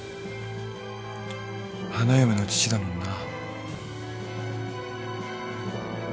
花嫁の父だもんな。